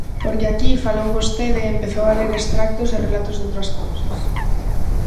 Porque aquí falou vostede e empezou a ler extractos e relatos doutras cousas.